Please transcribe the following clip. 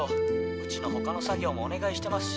うちの他の作業もお願いしてますし。